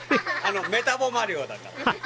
メタボマリオだから。